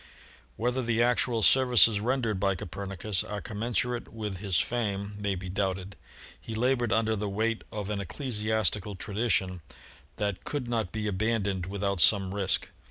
Whether the actual services rendered by Copernicus are commensurate with his fame may be doubted. He labored under the weight of an ecclesiastical tradition that could not be abandoned without some risk.